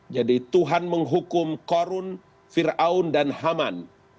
jadi tuhan menghukum korun fir'aun dan haman